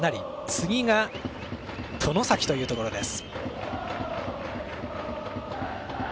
次が外崎というところです。